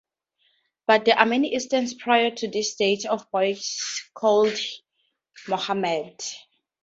But there are many instances prior to this date of boys called 'Muhammad.